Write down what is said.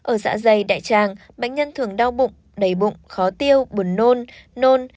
ở dạ dày đại tràng bệnh nhân thường đau bụng đầy bụng khó tiêu buồn nôn nôn